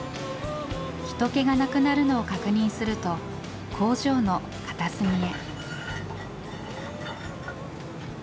人けがなくなるのを確認すると工場の片隅へ。